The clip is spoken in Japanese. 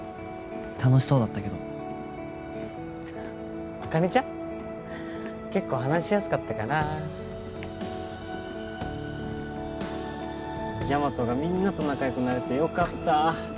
楽しそうだったけど茜ちゃん？結構話しやすかったかなヤマトがみんなと仲よくなれてよかった